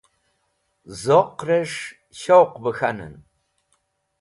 Zoqres̃h showq bẽ k̃hanẽn.